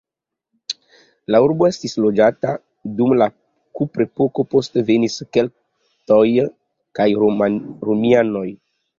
La urbo estis loĝata dum la kuprepoko, poste venis keltoj kaj romianoj.